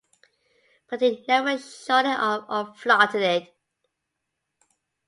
But he never showed it off or flaunted it.